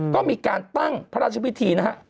ก็มีการตั้งพระราชพิธีนะฮะ